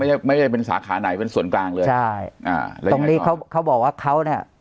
ไม่ได้ไม่ได้เป็นสาขาไหนเป็นส่วนกลางเลยใช่อ่าแล้วตรงนี้เขาเขาบอกว่าเขาเนี้ย